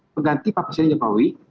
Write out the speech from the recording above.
peganti pak presiden jokowi